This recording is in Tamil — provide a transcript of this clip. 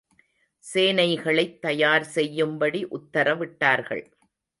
சேனைகளைத் தயார் செய்யும்படி உத்தரவிட்டார்கள்.